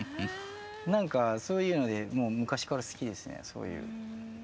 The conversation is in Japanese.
何かそういうので昔から好きですねそういう。